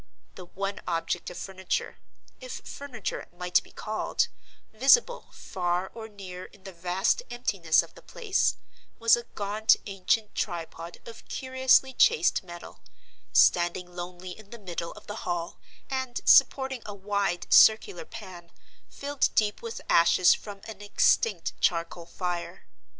The one object of furniture (if furniture it might be called) visible far or near in the vast emptiness of the place, was a gaunt ancient tripod of curiously chased metal, standing lonely in the middle of the hall, and supporting a wide circular pan, filled deep with ashes from an extinct charcoal fire.